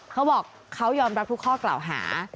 เขาบอกเขายอมรับทุกข้อกล่าวหา